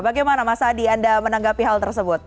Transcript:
bagaimana mas adi anda menanggapi hal tersebut